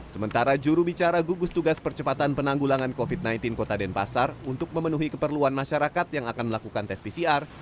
sementara jurubicara gugus tugas percepatan penanggulangan covid sembilan belas kota denpasar untuk memenuhi keperluan masyarakat yang akan melakukan tes pcr